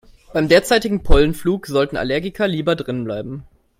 Beim derzeitigen Pollenflug sollten Allergiker lieber drinnen bleiben.